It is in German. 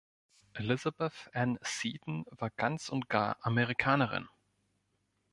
Elizabeth Ann Seton war ganz und gar Amerikanerin!